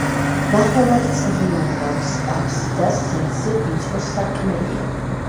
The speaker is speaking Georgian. ნახევარწრიული აფსიდას ღერძზე ვიწრო სარკმელია.